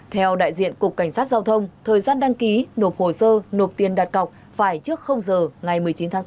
theo đại diện cục cảnh sát giao thông thời gian đăng ký nộp hồ sơ nộp tiền đặt cọc phải trước giờ ngày một mươi chín tháng bốn